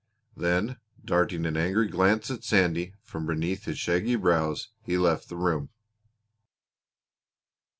Then darting an angry glance at Sandy from beneath his shaggy brows, he left the room.